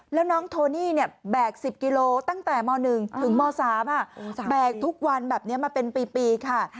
แล้วน้องโทนี่แบก๑๐กิโลตั้งแต่ม๑ถึงม๓แบกทุกวันแบบนี้มาเป็นปีค่ะ